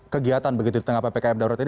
kegiatan begitu di tengah ppkm darurat ini